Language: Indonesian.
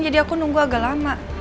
jadi aku nunggu agak lama